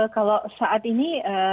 kalau saat ini